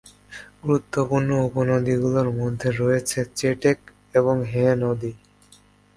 গুরুত্বপূর্ণ উপনদীগুলির মধ্যে রয়েছে চেটেক এবং হে নদী।